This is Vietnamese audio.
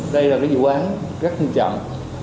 đây là cái vụ án rất nghiêm trọng